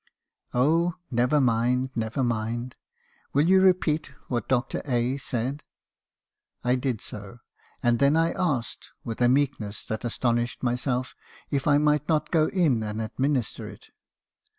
"'Oh! never mind! never mind! Will you repeat what Dr. — said?' "I did so ; and then I asked, with a meekness that astonished myself, if I might not go in and administer it.